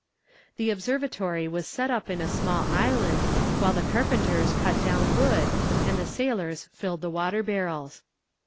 The observatory was set up in a small island, while the carpenters cut down wood, and the sailors filled the water barrels.